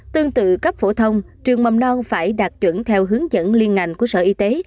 tương tự cấp phổ thông trường mầm non phải đạt chuẩn theo hướng dẫn liên ngành của sở y tế